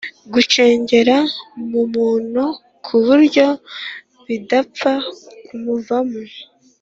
Gucengera mu muntu ku buryo bidapfa kumuvamo